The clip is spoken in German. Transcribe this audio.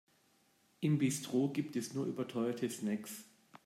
Im Bistro gibt es nur überteuerte Snacks.